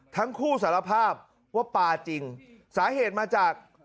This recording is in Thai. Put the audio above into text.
ทั้งคู่สารภาพว่าปลาจริงสาเหตุมาจาก